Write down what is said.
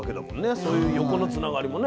そういう横のつながりもね。